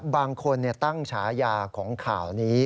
บางคนตั้งฉายาของข่าวนี้